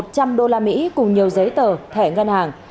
cô là mỹ cùng nhiều giấy tờ thẻ ngân hàng